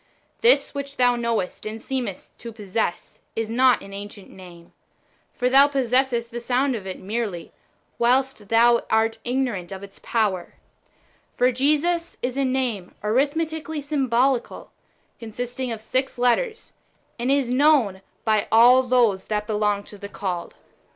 This which thou knowest and seemest to possess, is not an ancient name. For 60 IRENjEUS against heresies. [Book i. thou possGssest the sound of it merely, whilst thou art igno rant of its power. For Jesus (^Irjcrovs:) is a name arithmeti cally^ symbolical, consisting of six letters, and is known by all those that belons; to the called.